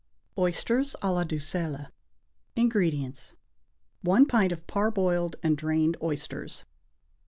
=Oysters à la D'Uxelles.= INGREDIENTS. 1 pint of parboiled and drained oysters.